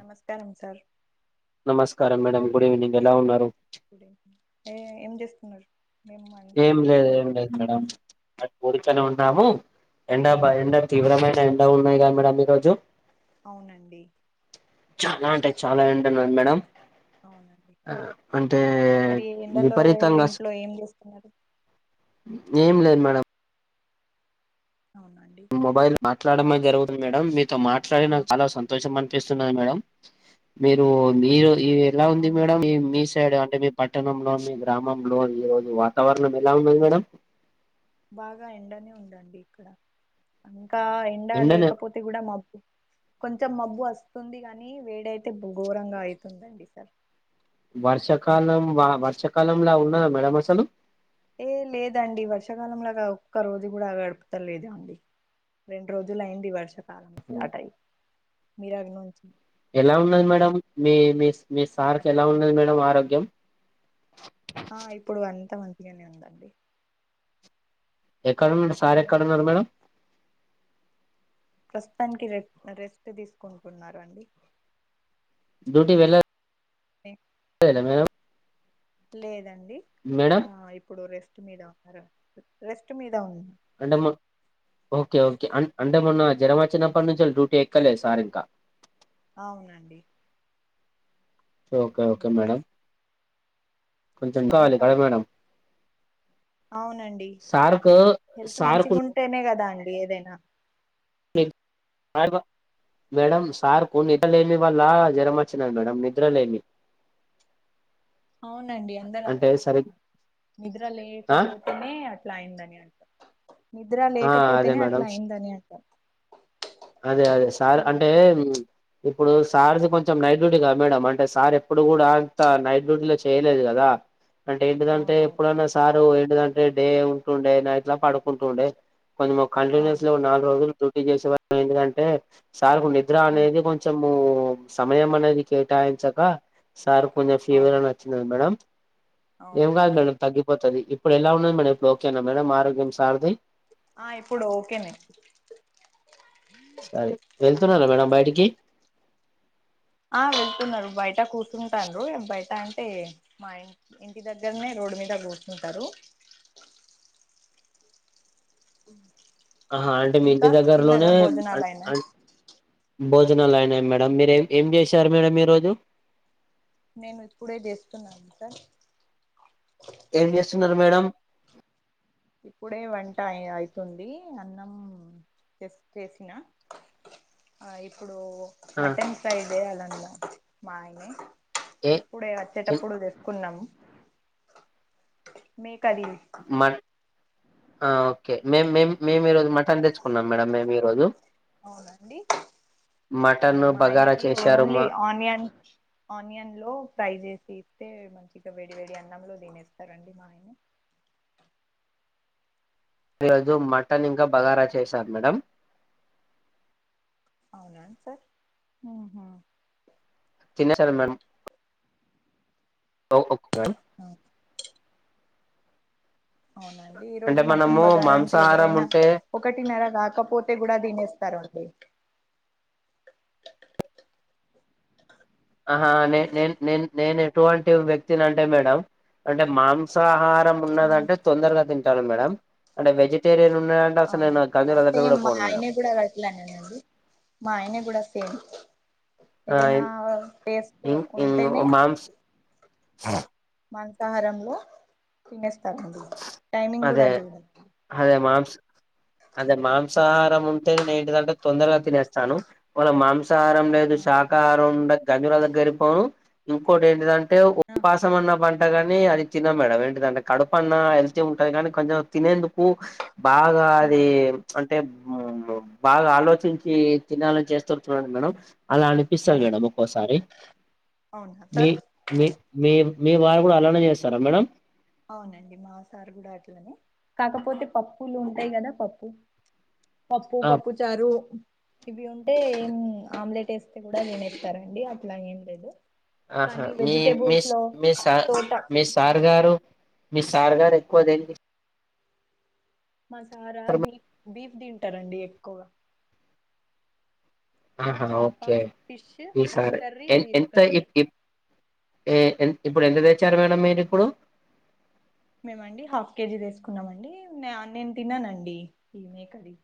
నమస్కారం సార్ స్కారం madam good evening ఎలా ఉన్నారు గుడ్ ఈవినింగ్ ఏ ఏం జేస్తున్నరు ఏం లేదు ఏం లేదు మేడం అ ఉడిక్కెనె ఉన్నాము ఎండ ఆ బా ఎండ తీవ్రమైన ఎండ ఉన్నాయి గదా మేడం ఈ రోజు అవునండి చాలా అంటె చాలా ఏండున్నది మేడం అవునండి ఆ, అంటే మరీ ఎండలో విపరీతంగా అస ఇంట్లో ఏం జేస్తున్నరు [unintelligible] ఏం లేదు మేడం అవునండి ట్లాడమే జరుగుతుంది మేడం, మీతో మాట్లాడి ఆ నాకు చాలా సంతోషం అన్ పిస్తున్నది మేడం మీరూ మీరు ఇవి ఎలా ఉంది మేడం అవునండి ఈ మీ సైడ్ అంట్ అంటే మీ పట్టణంలో, మీ గ్రామంలో ఈ రోజు వాతావరణం ఎలా ఉన్నది మేడం బాగా ఎండనే ఉందండి ఇక్కడ అన్ కా ఎండ ఎండనే లేకపోతే గూడ మబ్బు కొంచెం మబ్బు అస్ స్తుంది గనీ వేడైతే బొ ఘోరంగా అయితుందండి సల్ వర్షాకాలం వాన వర్షాకాలం లా ఉన్నదా మేడం అసలు ఏ లేదండి వర్షాకాలం లాగ ఒక్క రోజు గూడ గడపుతలేదండి, రెండు రోజులయింది వర్షం కాలం స్టార్ట్ అయి మీరగ్ నుంచి ఎలా ఉన్నది మేడం మీ మీ మీ సార్‌కి ఎలా ఉన్నది మేడం ఆరోగ్యం ఆ ఇప్పుడు అంతా మంచిగానే ఉందండి ఎక్కడ ఉన్నాడు సార్ హ్మ్. ఎక్కడ ఉన్నారు మేడం ప్రస్తుతానికి రె రెస్ట్ తీసుకుంటున్నారు అండి డ్యూటీకి వెళ్ళలే [inaudible] మేడం లేదండి మేడం ఆ ఇప్పుడు రెస్ట్ మీద ఉన్నారు రెస్ట్ మీద ఉం అంటే మా ఓకే ఓకే అం అంటే మొన్న జరంమాచ్చినప్పటి నుంచేలి డ్యూటీ ఎక్కలేదు సార్ ఇంకా అవునండి ఓకే ఓకే మేడం కొంచెం కావాలి ఇంకా కదా మేడం అవునండి సార్కు హెల్త్ సార్కు మంచిగుంటేనే కదా అం డి ఏదైనా [unintelligible] మేడం సార్‌కు నిద్రలేమి వల్ల జ్వరం వచ్చినాది మేడం నిద్రలేమి అవునండి అందరు అంటే అదే సరి అంటున్నారు నిద్ర ఆ లేకపోటమే అట్లా అయిందని అంటారు నిద్ర ఆ అదే లేకపోతేనే అట్లా మేడం అయిందని అంటారు అదే అదే సార్ అంటే ఇప్పుడు సార్ది కొంచెం నైట్ డ్యూటీ కదా మేడం అంటే సార్ ఎప్పుడు కూడా అంత నైట్ డ్యూటీలో చేయలేదు కదా అంటే ఏంటిదంటే అవునవును ఎప్పుడనా సారు ఏంటిదంటే డే ఉంటుండే నైట్లా పడుకుంటుండే కొంచెం అవును కంటిన్యూస్లో నాలుగు రోజులు డ్యూటీ చేసేవా ఎందుకంటే సార్కు నిద్ర అనేది కొంచెం ఉమ్మ్ సమయం అనేది కేటాయించక సార్‌కి కొంచెం ఫీవర్ అవును అనెది వచ్చింది మేడం ఏం కాదు అవునండి మేడం తగ్గిపోతది ఇప్పుడు ఎలా ఉన్నది మేడం ఇప్పుడు ఓకేనా మేడం ఆరోగ్యం సార్ది ఆ ఇప్పుడు ఓకే నే సరే వెళ్తున్నారా మేడం బయటికి ఆ వెళ్తున్నారు బయట కూర్చుంటారు బయట అంటే మా ఇం ఇంటి దగ్గరనే రోడు మీద కూర్చుంటారు ఉమ్ ఆహా అంటే మీ ఇంటి దగ్గరలోనే అం భోజనాలు అయినా అం భోజనాలు అయినాయ మేడం మీరు ఏం ఏం చేశారు మేడం ఈరోజు నేను ఇప్పుడే జేస్తున్నాను సార్ ఏం చేస్తున్నారు మేడం ఇప్పుడే వంట అయి అయితుంది అన్నం చేస్ చేసినా ఆ ఇప్పు డు ఆ మటన్ ఫ్రై చేయాలన్న మాఅయనే ఏ ఇప్పుడే వచ్చేటప్పుడు తెసుకున్నాము మీ కలి మట్ ఆ ఓకే మేం మేం మేము ఈరోజు మటన్ తెచ్చుకున్నాం మేడం మేము ఈరోజు అవునండి మటన్ మా బగారా ఆయనకి చేశారు ఓన్లీ మా ఆనియన్ ఆనియన్లో ఫ్రై చేసి అయితే మంచిగా వేడివేడి అన్నంలో తినేస్తారండి మా ఆయన ఈరోజు మటన్ ఇంకా బగారా చేశాం మేడం అవునా సార్ మ్మ్ఉహ్మ్ తినేశారా మేడం ఓఓ అ అవునండి ఈ అంటే రోజు మటన్ మనము బగారా అంటే మాంసాహారం ఎవరైనా ఉంటే ఒకటిన్నర కాకపోతే కూడా తినేస్తారండి ఆహా నే నే నే నేను ఎటువంటి వ్యక్తిని అంటే మేడం అంటే మాంసాహారం ఉమ్ ఉన్నదంటే తొందరగా తింటారు మేడం అంటే వెజిటేరియన్ ఉన్నదంటే అసలు నేను అవునండి అ గంజుల దగ్గర సేమ్ కూడా మా పోను మేడం ఆయన కూడా అట్లనే అండి మా ఆయన కూడా సేమ్ ఆ ఏదైనా టేస్ట్ ఇం ఇం ఉంటేనే మాంస్ మాంసాహారంలో తినేస్తామండి టైమింగ్ కూడా అదే చూడం అదే మాంస్ అదే మాంసాహారం ఉంటే నేను ఏంటిదంటే తొందరగా తినేస్తాను ఒకవేల మాంసా హారం లేదు ఆ శాకాహారం ఉంటే [unintelligible] దగ్గరి పోను ఇంకోటి ఏంటిదంటే అంటే ఉపాసం అన్న పంటగాని అది తిన మేడం ఏంటిదంటే కడుపు పన్నా ఇష్టం ఉంటది కానీ కొంచం తినేందుకు బాగా అది అంటే బాగాలోచించి తినాలని చేస్తరు చూడండి మేడం అలా అనిపిస్తది అవును మేడం ఒక్కోసారి అవునా మీ సార్ మీ మీ వారు కూడా అలానే చేస్తారా మేడం అవునండి మాసారు కూడా అట్లనే కాకపోతే పప్పులు ఉంటాయి కదా పప్పు పప్పు పప్పు చారు ఇవి ఉంటే ఏం ఆమ్లెట్ వేస్తే కూడా తినేస్తారండి అట్లాని ఏం లేదు ఆహా కానీ మీ మీ వెజిటేబుల్స్ లో మీ సార్ తోట మీ సార్ గారు మీ సార్గారు ఎక్కువ దేనిని మసారా తర్మ బీఫ్ బీఫ్ తింటరండి ఎక్కువ ఆహా చాపా ఓకే ఫిష్ ఫిష్ ఈసారి కర్రీ ఎ బీఫ్ ఎంత కర్రీ ఇప్ ఇప్ ఏ ఎ ఇప్పుడు ఎంత తెచ్చారు మేడం మీరు ఇప్పుడు మేమండి హాఫ్ కేజీ తీసుకున్నామండి నేను తిననండి ఈ మేకది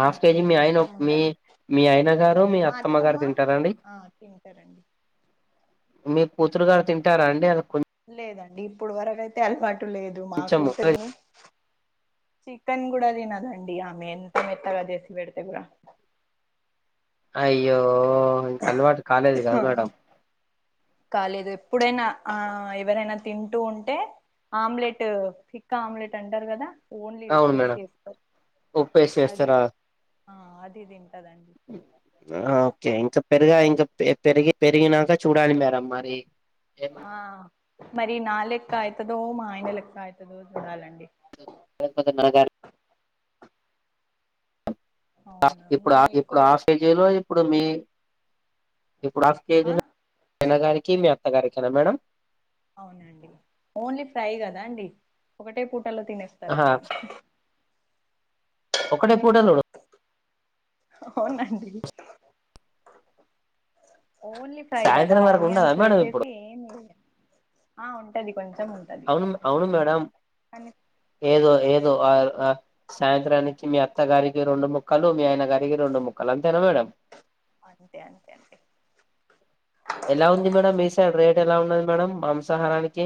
హాఫ్ నాకు కేజీ మీ ఆయన ఒ ఇష్టం మీ ఉండదు మీ ఆయన గారు మీ మా గారు అత్తమ్మ తింటారా అండి ఆ తింటరు అండి మీ కూతురు గారు తింటారా అండి లేదండి ఇప్పుడు వరకయితే అలవాటు లేదు మా కొంచెము కూతురిని చికెన్ కూడా తినదండి ఆమె ఎంత మెత్తగా చేసిపెడితే కూడా అయ్యో ఇంక అలవాటు కాలేదు కద మేడం కాలేదు ఎప్పుడైనా ఆ ఎవరైనా తింటూ ఉంటే ఆమ్లెట్ థిక్ ఆమ్లెట్ అంటారు కదా ఓన్లీ అవును ఉప్పేసి మేడం వేస్తారు ఉప్పు వేసి అది చేస్తరా ఆ అది తింట ఓకే ఇంకా పెరుగా ఇంకా పెరిగి పెరిగినాక చూడాలి మేడమ్ మరి ఏమంటారు ఆ మరి నాలెక్క అవుతదో మా ఆయన లెక్క అవుతుదో చూడాలండి [unintelligible] అవును ఇప్పుడు నేను ఎక్కువ ఇప్పుడా హాఫ్ తింటాను కదా కేజీలో ఇప్పుడు మీ ఇప్పుడు హాఫ్ ఆ కేజీలో ఆయనగారికి మీ అత్తగారికేనా మేడం అవునండి ఓన్లీ ఫ్రై కదా అండి ఒకటే పు ఆహా ఒకటె పూటల అవునండి ఓన్లీ ఫ్రై కదా సాయంత్రం వరకు ఉండదా ఆనియన్స్ మేడం ఇప్పుడు వేసేసి ఏమి ఆ ఉంటది కొంచెం ఉంటది అవును అవును మేడం కానీ ఏదో ఏదో ఆ సాయంత్రానికి మీ అత్తగారికి రెండు ముక్కలు మీ ఆయన గారికి రెండు ముక్కలు అంతేనా మేడం అంతె అంతె ఎలా ఉంది మేడం మీ సైడ్ రేట్ ఎలా ఉన్నది మేడం మాంసాహారానికి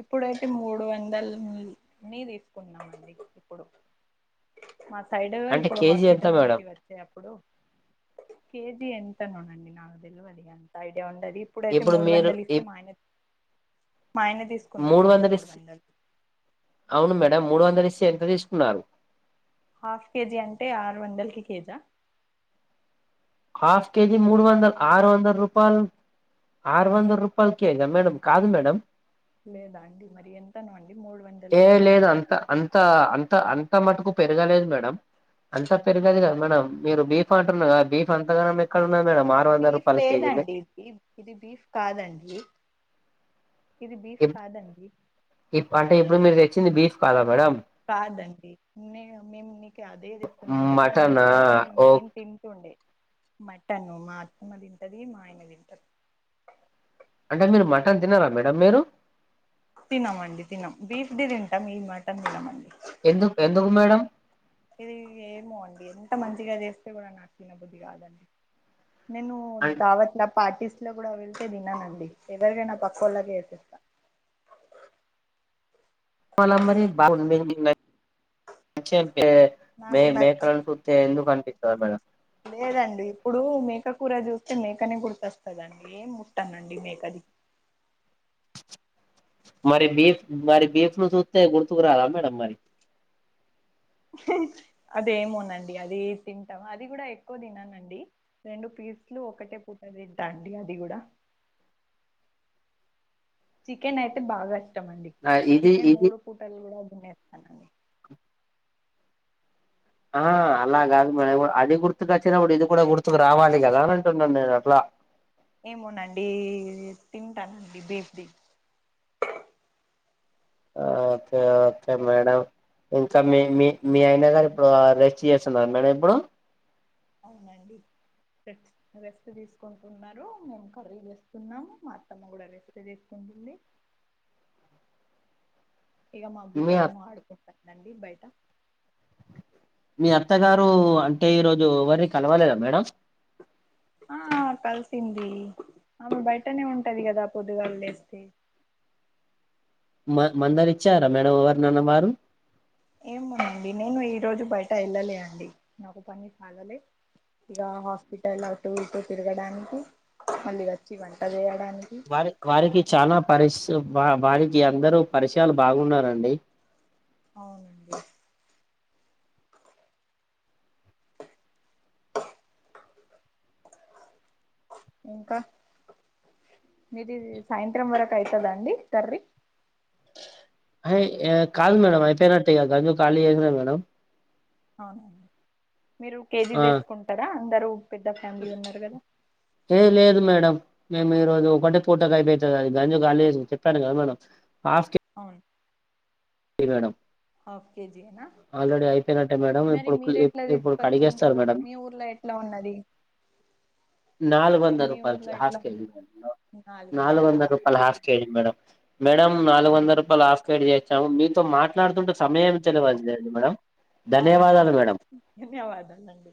ఇప్పుడైతే మూడు వందల ని తీసుకున్నామండి ఇప్పుడు [inaudible] మా సైడ్ అంటే ఇప్పుడు కేజీ ఎంత హాస్పిటల్ మేడం నుంచి వచ్చే అప్పుడు కేజీ ఎం ఎంత నోండి నాకు తెలివది అంత ఐడియా ఇప్పుడుయితే ఇప్పుడు మూడు మీరు వందలు ఇస్తే ఇప్ మా ఆయన తీస్త మూడు వందలు ఇస్ అవును మేడం మూడు వందలు ఇస్తే ఎంత తీసుకున్నారు హఫ్ కేజీ అంటే ఆరు వందలకి కేజా హాఫ్ కేజీ మూడు వందలు ఆరు వందల రూపాయలు ఆరు వందల రూపాయలకి కేజా మేడం కాదు మేడం లేదా అండి మరి ఎంతనో అండి మూడు వంద ఏ లేదు అంత అంత అంత అంత మటుకు పెరగలేదు మేడం అంతా పెరిగదు గదా మేడం మీరు బీఫ్ అంటున్న ఆ బీఫ్ అంతగనం ఎక్కడ ఉన్నది మేడం ఆరు వందల బీఫ్ రూపాయల కేజీనే లేదండి ఇది ఇది బీఫ్ కాదండి ఇది బీఫ్ ఇప్- కాదండి ఇప్- అంటే ఇప్పుడు మీరు తెచ్చింది బీఫ్ గాదా మేడమ్ కాదండి నే మేము నిక్ అదే చెప్తున్నాం గదా బీఫ మటనా అయితే ఓ నేను తింటుండే మటన్ మా అత్తమ తింటది మా ఆయన తింటడు అంటే మీరు మటన్ తినరా మేడమ్ మీరు తినమ అండి తినం బీఫ్ ది తింటాం ఈ మటన్ది తినమండి ఎందు ఎందుకు మేడం ఇది ఏమో అండి ఎంత మంచిగా చేస్తే గూడా నాకు తిన బుద్ధి కాదండి నేను దావట్లా పాటిస్త ఇంట్లో గూడా వెళ్తే తిననండి ఎవరికైనా పక్కో ళ్ళకి ఎపిస్తా మళ మరి మీకు నచ్ మే నాకు మేకలను చూస్తే ఎందుకు అనిపిస్తాది మేడం లేదు లేదండి ఇప్పుడు మేక కూర చూస్తే మేకనే గుర్తొస్తదండి ఏం ముట్టనండి మేకది [inaudible] మరి బీఫ్ మరి బీఫ్ ను చూస్తే గుర్తుకు రాదా మేడం మరి అదేమోనండి అది తింటాం అది గూడా ఎక్కువ తిననండి రెండు పిస్ పిస్లు ఒకటే పూట తింటా అండి అది గూడా చికెన్ అయితే బాగా ఇష్టం అండి ఆ, ఇది చికెన్ ఇది మూడు పూటలు గూడా తినేస్తా ఆ అలా గాదు మేడం అది గుర్తుకు వచ్చినప్పుడు ఇది గూడా గుర్తుకు రావాలి గదా ఏమోనండి తింటానండి బీఫ్ ది ఓకే ఓకే మేడం ఇంకా మీ మీ మీ ఆయన గారు ఇప్పుడు రెస్ట్ చేస్తున్నారు మేడం ఇప్పుడు అవునండి రెస్ట్ తీసుకుంటున్నారు మేము కర్రీ చేస్తున్నాము మా అత్తమ్మ గూడా రెస్ట్ తీసుకుంట ఉంది ఇగ మా బిడ్డ మీ అ ఏమో ఆడుకుంటందండి బయట మీ అత్తగారు అంటే ఈరోజు ఎవరి కలవలేదా మేడం ఆ కలిసింది ఆమె బయటనే ఉంటది కదా పొద్దుగాళ్లేస్తే మ మందరిచ్చారా మేడం ఎవరు నాన్న వారు ఏమనండి నేను ఈ రోజు బయట వెళ్ళలే అండి నాకు పని కాగలే ఇక హాస్పిటల్ అటుూ ఇటుూ తిరగడానికి మళ్ళీ వచ్చి వంట చేయడాన్ వారి వారికి చాలా పరిస్ వారికి అందరుూ పరిచయాలు బాగున్నారండి అవునండి ఇంకా మీది సాయంత్రం వరకు అయితద అండి కరీ అయి కాల్ మేడ అఐపోనాట్ట కాళ ఏనా మేడమ్ అవున మీరు కేజీ ఆ తీసుకుంటరా అందరుూ పెద్ద ఫ్యామిలీ ఉన్నరు కదా ఏ లేదు మేడం మేము ఈ రోజు ఒకటే పూటకు అయిపోతుంది అది గంజు క చెప్పాను కదా మేడం ఉమ్ ఇవేడం ఆల్రెడీ అయిపోయినట్టే మేడం మరి ఇప్పుడు మీరు ఎట్లా ఇప్పుడు తీసుకొచ్చిండ్రు కడిగేస్తారు మేడం మీ ఊర్లో ఎట్లా ఉన్నది నాలుగొందలు మీ రూపాయల్ ఊర్లో హాఫ్ ఎట్లా కేజీ ఉన్నది మే నాలుగు వంద రూపాయల్ హాఫ్ కేజి మేడ మేడం నాలుగు వందల అవును రూపాయలు హఫ్ గైడ్ చేసాము మీతో మాట్లాడుతుంటే సమయం తెలువట్లే మేడం అవునా ధన్యవాదాలు మేడం ధన్యవాదాలాండి